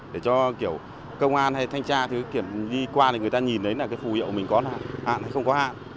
để cho kiểu công an hay thanh tra thứ kiểm đi qua thì người ta nhìn thấy là cái phù hiệu mình có là hạn hay không có hạn